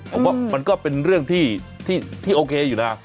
ผมว่ามันก็เป็นเรื่องที่โอเคอยู่นะ